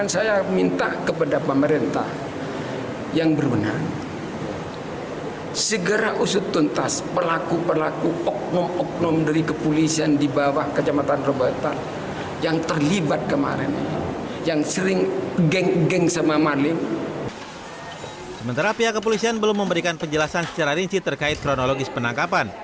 sementara pihak kepolisian belum memberikan penjelasan secara rinci terkait kronologis penangkapan